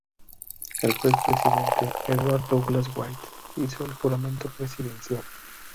El Juez presidente, Edward Douglass White, hizo el juramento presidencial.